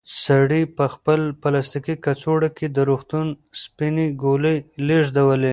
سړي په خپل پلاستیکي کڅوړه کې د روغتون سپینې ګولۍ لېږدولې.